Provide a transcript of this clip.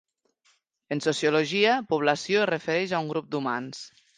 En sociologia, població es refereix a un grup d'humans.